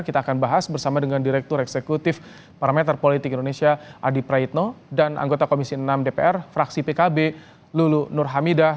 kita akan bahas bersama dengan direktur eksekutif parameter politik indonesia adi praitno dan anggota komisi enam dpr fraksi pkb lulu nur hamidah